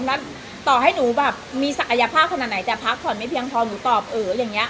แล้วต่อให้หนูแบบมีศักยภาพขนาดไหนแต่พักผ่อนไม่เพียงพอหนูตอบเอออย่างนี้